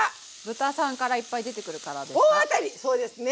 豚さんからいっぱい出てくるからですか。